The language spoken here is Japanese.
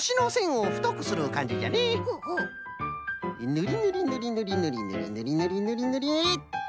ぬりぬりぬりぬりぬりぬりぬりぬりぬりぬりっと。